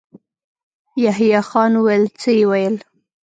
يحيی خان وويل: څه يې ويل؟